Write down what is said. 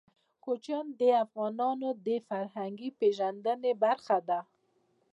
کوچیان د افغانانو د فرهنګي پیژندنې برخه ده.